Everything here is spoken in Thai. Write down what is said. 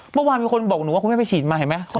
เมื่อวานมีคนบอกหนูว่าคุณแม่ไปฉีดมาเห็นไหม